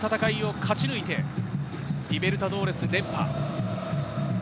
それだけ苦しい戦いを勝ち抜いて、リベルタドーレス連覇。